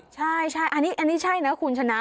ใช่อันนี้ใช่นะคุณชนะ